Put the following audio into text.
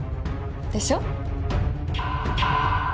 でしょ？